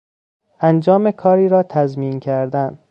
انجام کاری را تضمین کردن